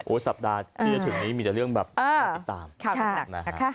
โอ้สัปดาห์ที่จะถึงนี้มีแต่เรื่องแบบติดตาม